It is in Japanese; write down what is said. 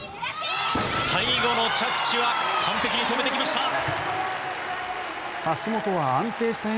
最後の着地は完璧に止めてきました。